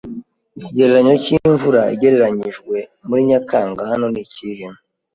Ikigereranyo cy'imvura igereranijwe muri Nyakanga hano ni ikihe?